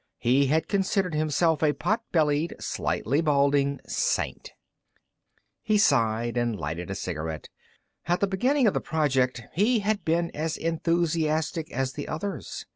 He had considered himself a pot bellied, slightly balding saint. He sighed and lighted a cigarette. At the beginning of the project, he had been as enthusiastic as the others.